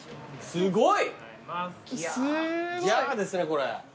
すごい。